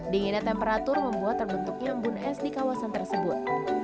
dinginnya temperatur membuat terbentuknya embun es di kawasan tersebut